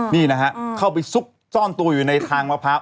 นี่นะฮะเข้าไปซุกซ่อนตัวอยู่ในทางมะพร้าว